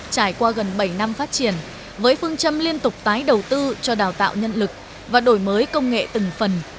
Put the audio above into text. trải qua gần bảy năm phát triển với phương châm liên tục tái đầu tư cho đào tạo nhân lực và đổi mới công nghệ từng phần